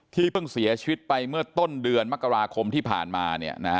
เพิ่งเสียชีวิตไปเมื่อต้นเดือนมกราคมที่ผ่านมา